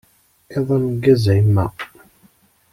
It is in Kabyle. Iḍ ameggaz, a yemma.